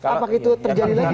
apakah itu terjadi lagi